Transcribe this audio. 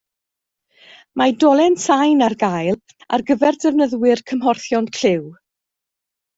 Mae dolen sain ar gael ar gyfer defnyddwyr cymhorthion clyw